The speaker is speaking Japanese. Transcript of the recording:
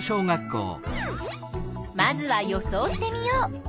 まずは予想してみよう。